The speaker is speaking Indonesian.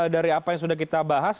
dari apa yang sudah kita bahas